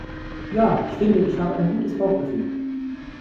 Ja, ich finde, ich habe ein gutes Bauchgefühl.